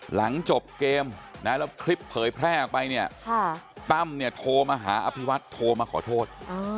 หลังจบเกมนะแล้วคลิปเผยแพร่ออกไปเนี่ยตั้มเนี่ยโทรมาหาอภิวัตโทรมาขอโทษ